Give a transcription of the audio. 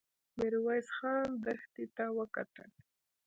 ميرويس خان دښتې ته وکتل.